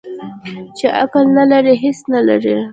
ـ چې عقل نه لري هېڅ نه لري.